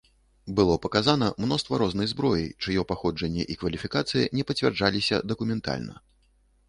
Было паказана мноства рознай зброі, чыё паходжанне і кваліфікацыя не пацвярджаліся дакументальна.